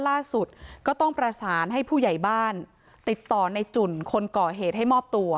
ล่าสุดก็ต้องประสานให้ผู้ใหญ่บ้านติดต่อในจุ่นคนก่อเหตุให้มอบตัว